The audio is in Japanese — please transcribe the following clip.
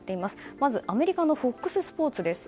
まず、アメリカのＦＯＸスポーツです。